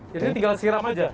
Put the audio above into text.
jadi tinggal siram aja